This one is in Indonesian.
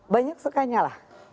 banyak sukanya lah